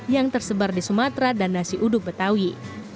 yang tersebar di sumatera dan nasi uduk betawi